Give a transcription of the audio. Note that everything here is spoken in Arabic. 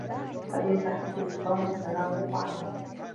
لقد إنتهيت للتو من تناول الطعام.